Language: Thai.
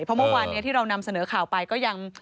เพราะเมื่อวานนี้ที่เรานำเสนอข่าวไปก็ยัง